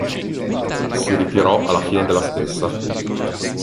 Si ritirò alla fine della stessa.